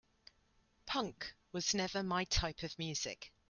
Punk was never my type of music.